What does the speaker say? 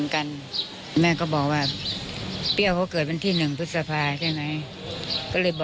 ขอบคุณครับ